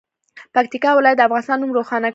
پکتیکا ولایت د افغانستان نوم روښانه کړي.